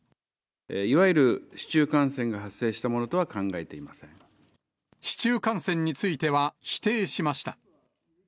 いわゆる市中感染が発生した市中感染については、否定しました。